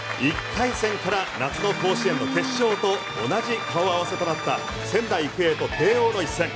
１回戦から夏の甲子園の決勝と同じ顔合わせとなった仙台育英と慶応の一戦。